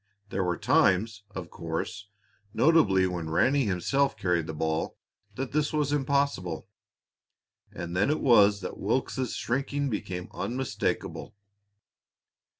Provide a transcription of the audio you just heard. There were times, of course notably when Ranny himself carried the ball that this was impossible, and then it was that Wilks's shrinking became unmistakable.